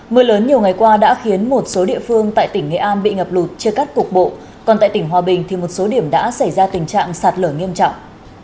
mưa lớn nhiều ngày qua đã khiến một số địa phương tại tỉnh nghệ an bị ngập lụt chia cắt cục bộ còn tại tỉnh hòa bình thì một số điểm đã xảy ra tình trạng sạt lở nghiêm trọng